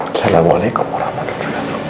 assalamualaikum warahmatullah waalaikumsalam